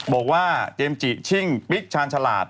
บอกว่าเจมส์จิชิ่งปิ๊กชาญฉลาด